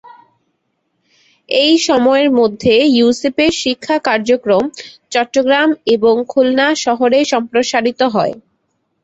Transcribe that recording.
এই সময়ের মধ্যে ইউসেপের শিক্ষা কার্যক্রম চট্টগ্রাম এবং খুলনা শহরে সম্প্রসারিত হয়।